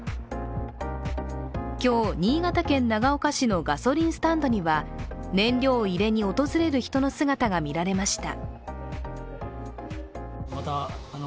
今日、新潟県長岡市のガソリンスタンドには燃料を入れに訪れる人の姿が見られました。